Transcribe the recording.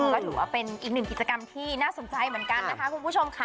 ก็ถือว่าเป็นอีกหนึ่งกิจกรรมที่น่าสนใจเหมือนกันนะคะคุณผู้ชมค่ะ